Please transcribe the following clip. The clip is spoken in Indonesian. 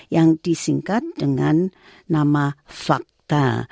yang disingkat dengan nama fakta